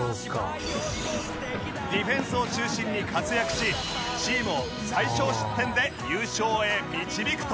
ディフェンスを中心に活躍しチームを最小失点で優勝へ導くと